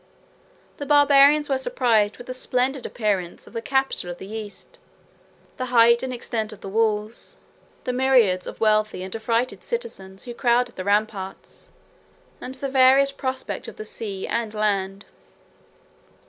The Barbarians were surprised with the splendid appearance of the capital of the East, the height and extent of the walls, the myriads of wealthy and affrighted citizens who crowded the ramparts, and the various prospect of the sea and land.